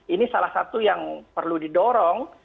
ini salah satu yang perlu didorong